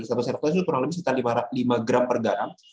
satu sendok teh itu kurang lebih sekitar lima gram per garam